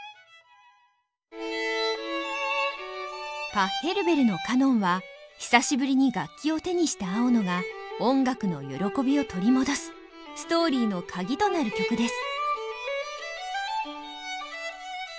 パッヘルベルの「カノン」は久しぶりに楽器を手にした青野が音楽の喜びを取り戻すストーリーの鍵となる曲です。